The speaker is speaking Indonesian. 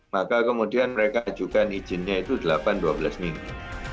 maka kemudian mereka ajukan izinnya itu delapan dua belas minggu